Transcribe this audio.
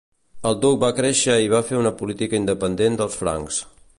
El duc va créixer i va fer una política independent dels francs.